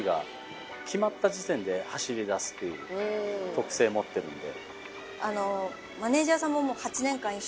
特性持ってるんで。